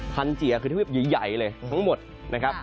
เจียคือทวีปใหญ่เลยทั้งหมดนะครับ